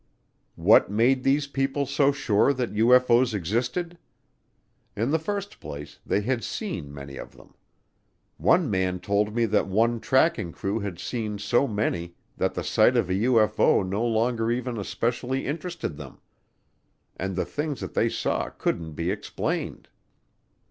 What made these people so sure that UFO's existed? In the first place, they had seen many of them. One man told me that one tracking crew had seen so many that the sight of a UFO no longer even especially interested them. And the things that they saw couldn't be explained.